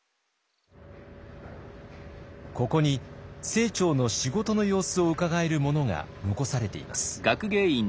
ここに清張の仕事の様子をうかがえるものが残されています。